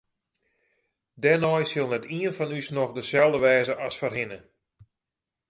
Dêrnei sil net ien fan ús noch deselde wêze as foarhinne.